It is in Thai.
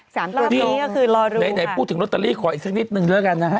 ๓ตัวตรงนี้ก็คือรอรูไหนพูดถึงโรตารีขออีกสักนิดนึงด้วยกันนะฮะ